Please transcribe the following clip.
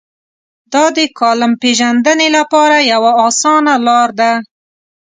دا د کالم پېژندنې لپاره یوه اسانه لار ده.